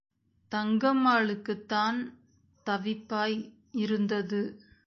தங்கம்மாளுக்குத்தான் தவிப்பாய் இருந்தது.